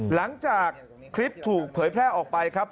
หลังจากคลิปถูกเผยแพร่ออกไปครับ